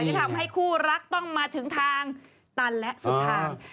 ที่ทำให้คู่รักต้องมาถึงทางตันและสุดทาง